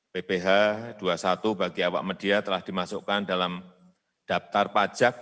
pph dua puluh satu bagi awak media telah dimasukkan dalam daftar pajak